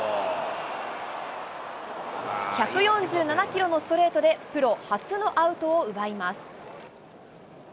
１４７キロのストレートで、プロ初のアウトを奪います。